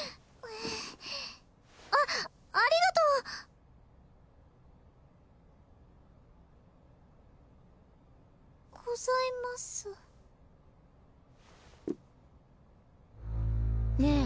あっありがとうございますねえ